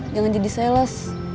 jangan jadi sales